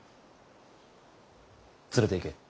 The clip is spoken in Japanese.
連れていけ！